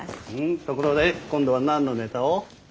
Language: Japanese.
ところで今度は何のネタを？フフッ。